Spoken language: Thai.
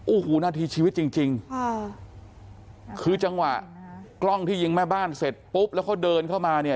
โอ้โหนาทีชีวิตจริงจริงค่ะคือจังหวะกล้องที่ยิงแม่บ้านเสร็จปุ๊บแล้วเขาเดินเข้ามาเนี่ย